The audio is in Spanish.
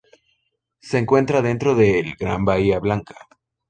Se encuentra dentro del Gran Bahía Blanca.